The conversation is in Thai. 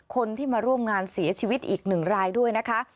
คนที่มาร่วมงานเสียชีวิตอีกหนึ่งรายด้วยนะคะ